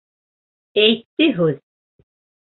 Әйтте һүҙ!